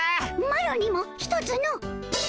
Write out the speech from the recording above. マロにもひとつの！